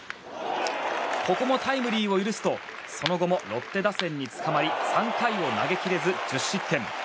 ここもタイムリーを許すとその後もロッテ打線につかまり３回を投げ切れず１０失点。